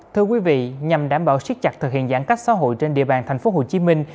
thưa quý vị nhằm đảm bảo siết chặt thực hiện giãn cách xã hội trên địa bàn thành phố hồ chí minh